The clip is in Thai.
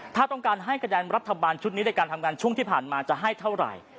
ถ้าต้องการให้คะแนนรัฐบาลชุดนี้ในการทำงานช่วงที่ผ่านมาจะให้เท่าไหร่